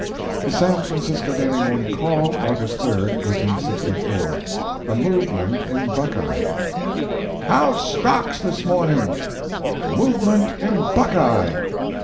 The San Francisco Daily Morning Call, August 3, 1864 A MOVEMENT IN BUCKEYE "How's stocks this morning?" "Movement in 'Buckeye.'"